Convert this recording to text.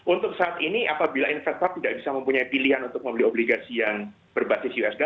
untuk saat ini apabila investor tidak bisa mempunyai pilihan untuk membeli obligasi yang berbasis usd